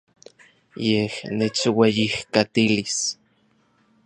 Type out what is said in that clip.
Yej nechueyijkatilis.